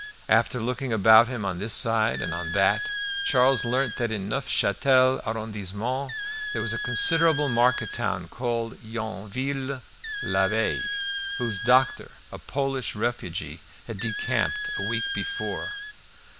After looking about him on this side and on that, Charles learnt that in the Neufchâtel arrondissement there was a considerable market town called Yonville l'Abbaye, whose doctor, a Polish refugee, had decamped a week before.